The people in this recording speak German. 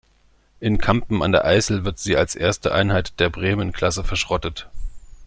In Kampen an der Ijssel wird sie als erste Einheit der "Bremen"-Klasse verschrottet.